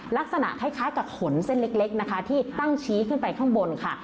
ลักษณะคล้ายกับขนเส้นเล็กนะคะที่ตั้งชี้ขึ้นไปข้างบนค่ะ